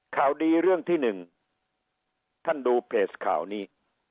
ข่าวดีเรื่องที่หนึ่งท่านดูเพจข่าวนี้